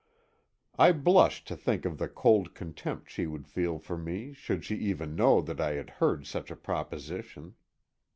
I blushed to think of the cold contempt she would feel for me should she even know that I had heard such a proposition.